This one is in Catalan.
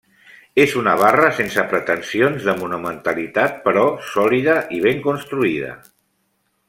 És una barra sense pretensions de monumentalitat però sòlida i ben construïda.